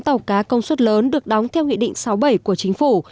tàu cá công suất lớn được đóng theo nghị định sáu bảy của chính phủ